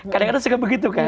kadang kadang suka begitu kan